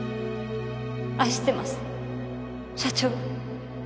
愛してます社長。